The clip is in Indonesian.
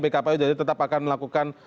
pkpu jadi tetap akan melakukan